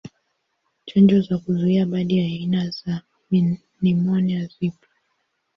Chanjo za kuzuia baadhi ya aina za nimonia zipo.